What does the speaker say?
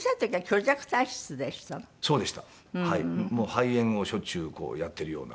肺炎をしょっちゅうこうやってるような。